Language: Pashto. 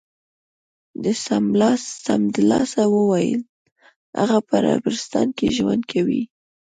ده سمدلاسه و ویل: هغه په عربستان کې ژوند کوي.